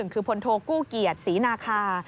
คือพลโทกู้เกียรติศรีนาคา